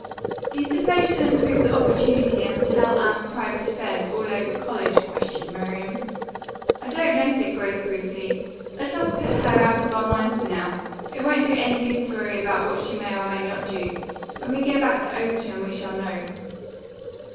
"Do you suppose she'll improve the opportunity and tell Anne's private affairs all over college?" questioned Miriam. "I don't know," said Grace briefly. "Let us put her out of our minds for now. It won't do any good to worry about what she may or may not do. When we go back to Overton we shall know."